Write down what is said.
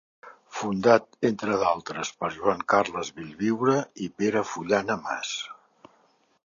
Fundat, entre d'altres, per Joan Carles Bellviure, i Pere Fullana Mas.